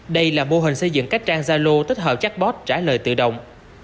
đây là mô hình xây dựng cách trang zalo tích hợp chatbot trả lời tự động